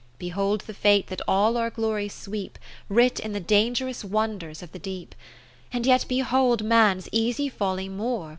Behold the fate that all our glories sweep, Writ in the dangerous wonders of the deep : And yet behold man's easy folly more.